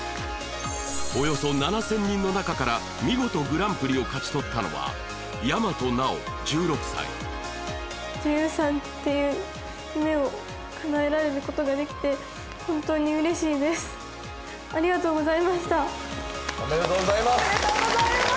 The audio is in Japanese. およそ７０００人の中から見事グランプリを勝ち取ったのは大和奈央１６歳女優さんっていう夢を叶えられることができて本当に嬉しいですありがとうございましたおめでとうございますおめでとうございます